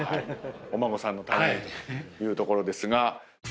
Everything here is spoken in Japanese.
お孫さんのためにというところですが。